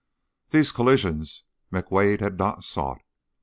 These collisions McWade had not sought.